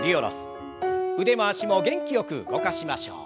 腕も脚も元気よく動かしましょう。